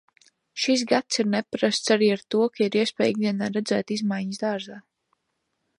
Šis gads ir neparasts arī ar to, ka ir iespēja ikdienā redzēt izmaiņas dārzā.